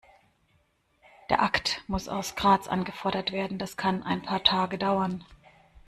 Der Akt muss aus Graz angefordert werden, das kann ein paar Tage dauern.